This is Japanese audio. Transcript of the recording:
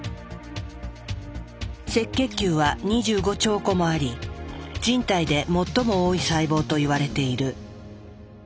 赤血球は２５兆個もあり人体で最も多い細胞といわれている。